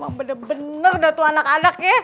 emang bener bener datu anak anak ya